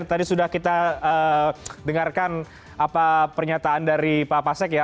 tadi sudah kita dengarkan apa pernyataan dari pak pasek ya